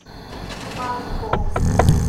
masko